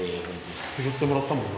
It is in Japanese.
拾ってもらったもんな。